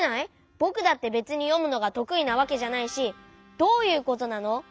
ぼくだってべつによむのがとくいなわけじゃないしどういうことなの？